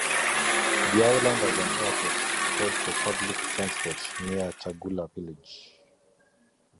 The island has an airport, code for public transport, near Tagula village.